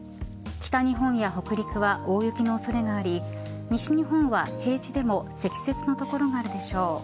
北日本や北陸は大雪の恐れがあり西日本は平地でも積雪の所があるでしょう。